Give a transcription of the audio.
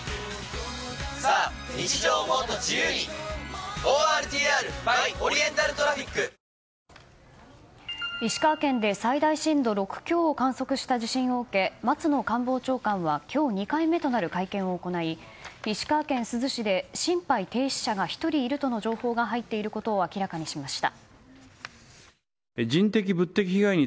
新「グリーンズフリー」石川県で震度６強を観測した地震を受け松野官房長官は今日、２回目となる会見を行い石川県珠洲市で心肺停止者が１人いるという情報が入っていることを明らかにしました。